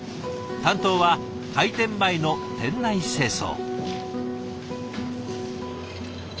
担当は開店前の店内清掃。